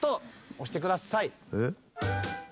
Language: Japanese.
押してください。